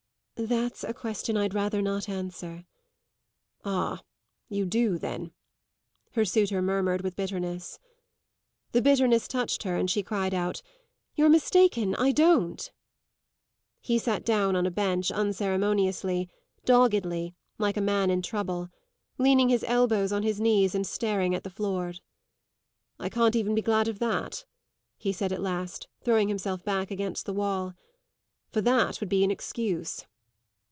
"That's a question I'd rather not answer." "Ah, you do then!" her suitor murmured with bitterness. The bitterness touched her, and she cried out: "You're mistaken! I don't." He sat down on a bench, unceremoniously, doggedly, like a man in trouble; leaning his elbows on his knees and staring at the floor. "I can't even be glad of that," he said at last, throwing himself back against the wall; "for that would be an excuse."